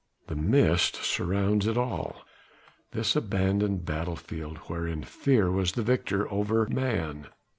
The mist surrounds it all, this abandoned battle field wherein fear was the victor over man.